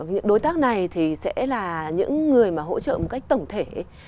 những đối tác này thì sẽ là những người mà hỗ trợ một cách tổng thể